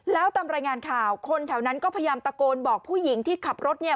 แล้วตามรายงานข่าวคนแถวนั้นก็พยายามตะโกนบอกผู้หญิงที่ขับรถเนี่ย